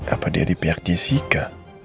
apa dia di pihak jessica